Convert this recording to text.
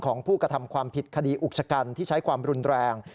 ของผู้กระทำความผิดคดีอุกชะกันที่ใช้ความรุนแรง